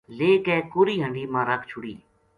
لے کے کوری ہنڈی ما ر کھ چھُڑی